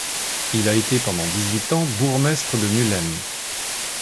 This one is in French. Il a été pendant dix-huit ans bourgmestre de Mullem.